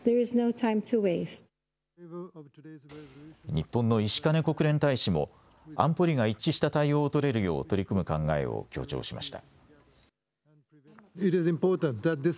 日本の石兼国連大使も安保理が一致した対応を取れるよう取り組む考えを強調しました。